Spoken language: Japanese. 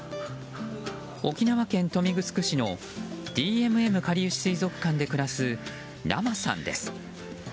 沖縄県豊見城市のＤＭＭかりゆし水族館で暮らすなまさんです。